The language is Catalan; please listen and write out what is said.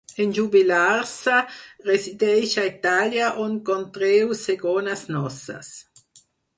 En jubilar-se, resideix a Itàlia on contreu segones noces.